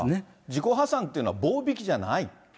自己破産というのは棒引きじゃない。